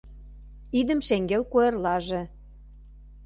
Идым шеҥгел куэрлаже